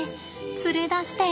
連れ出して。